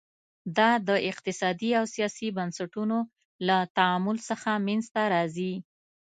دا د اقتصادي او سیاسي بنسټونو له تعامل څخه منځته راځي.